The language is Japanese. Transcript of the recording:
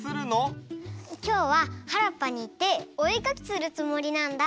きょうははらっぱにいっておえかきするつもりなんだ。